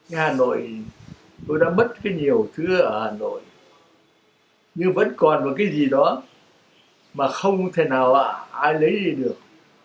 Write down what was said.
hà nội tôi đã mất cái nhiều thứ ở hà nội nhưng vẫn còn một cái gì đó mà không thể nào ai lấy đi được